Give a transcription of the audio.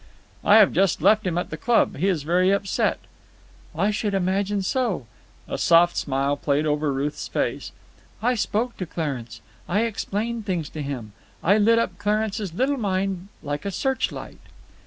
"I have just left him at the club. He is very upset." "I should imagine so." A soft smile played over Ruth's face. "I spoke to Clarence. I explained things to him. I lit up Clarence's little mind like a searchlight."